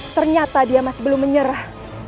ternyata dia masih belum menyerah